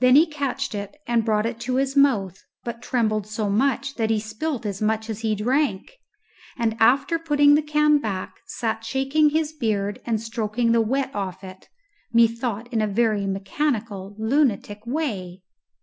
Then he catched it and brought it to his mouth, but trembled so much that he spilt as much as he drank, and after putting the can back sat shaking his beard and stroking the wet off it, methought, in a very mechanical lunatic way.